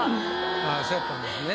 ああそうやったんですね。